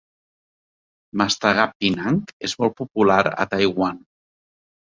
Mastegar pinang és molt popular a Taiwan.